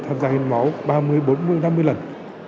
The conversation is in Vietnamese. tham gia hiến máu ba mươi bốn mươi năm mươi lần